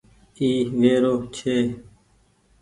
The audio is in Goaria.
اي ويرو ڇي۔